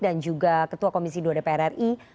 dan juga ketua komisi dua dpr ri